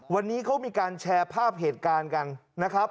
วันนี้เขามีการแชร์ภาพเหตุการณ์กันนะครับ